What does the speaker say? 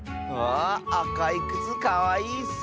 ああかいくつかわいいッス！